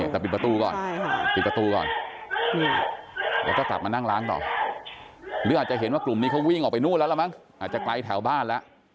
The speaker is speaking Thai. แต่ปิดประตูก่อนปิดประตูก่อนแล้วก็กลับมานั่งล้างต่อหรืออาจจะเห็นว่ากลุ่มนี้เขาวิ่งออกไปนู่นแล้วล่ะมั้งอาจจะไกลแถวบ้านแล้ว